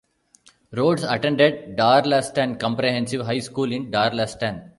Rhodes attended Darlaston Comprehensive High School in Darlaston.